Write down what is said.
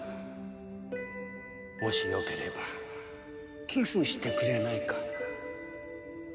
もしよければ寄付してくれないか？